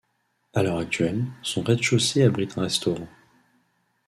À l'heure actuelle, son rez-de-chaussée abrite un restaurant.